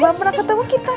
eh apa pernah ketemu kita